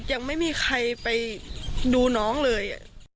ยังไม่มีใครไปดูน้องเลย